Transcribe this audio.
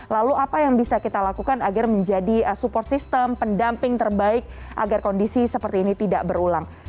lalu apa yang bisa kita lakukan agar menjadi support system pendamping terbaik agar kondisi seperti ini tidak berulang